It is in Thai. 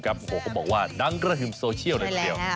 ก็บอกว่านางกระฮึมโซเชียลหนึ่งเดียว